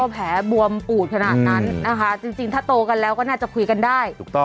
แผลบวมปูดขนาดนั้นนะคะจริงถ้าโตกันแล้วก็น่าจะคุยกันได้